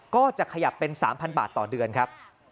ก็จะขยับเป็น๓๐๐บาทต่อเดือนครับ